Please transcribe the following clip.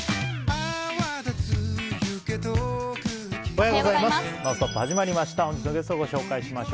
おはようございます。